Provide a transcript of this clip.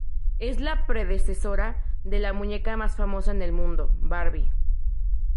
Es la predecesora de la muñeca más famosa en el mundo: Barbie.